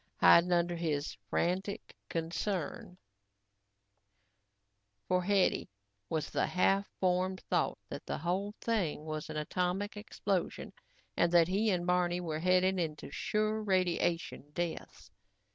Hiding under his frantic concern for Hetty was the half formed thought that the whole thing was an atomic explosion and that he and Barney were heading into sure radiation deaths.